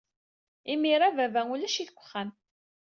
Imir-a, baba ulac-it deg uxxam.